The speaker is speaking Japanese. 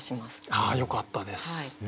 ああよかったです。